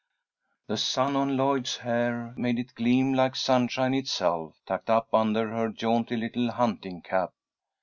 The sun on Lloyd's hair made it gleam like sunshine itself, tucked up under her jaunty little hunting cap.